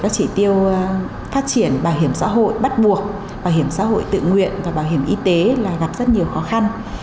chỉ tiêu phát triển bảo hiểm xã hội bắt buộc bảo hiểm xã hội tự nguyện và bảo hiểm y tế là gặp rất nhiều khó khăn